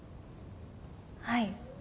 はい。